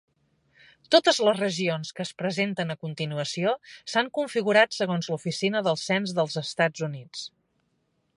Totes les regions que es presenten a continuació s'han configurat segons l'Oficina del Cens dels Estats Units.